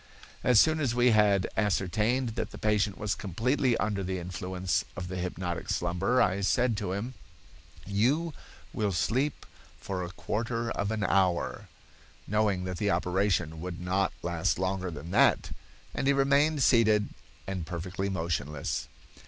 "As soon as we had ascertained that the patient was completely under the influence of the hypnotic slumber, I said to him: 'You will sleep for a quarter of an hour,' knowing that the operation would not last longer than that; and he remained seated and perfectly motionless.